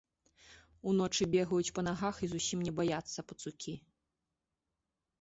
Уночы бегаюць па нагах і зусім не баяцца пацукі.